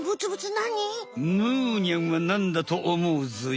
むーにゃんはなんだとおもうぞよ？